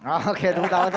oke terima kasih